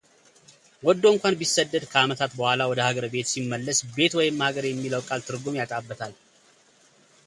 ወዶ እንኳን ቢሰደድ ከዓመታት በኋላ ወደ ሀገርቤት ሲመለስ ቤት ወይም ሀገር የሚለው ቃል ትርጉም ያጣበታል።